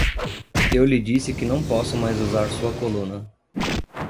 Eu lhe disse que não posso mais usar sua coluna.